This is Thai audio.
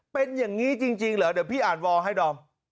เป็นอย่างนี้จริงเหรอเดี๋ยวพี่อ่านวอลให้ดอม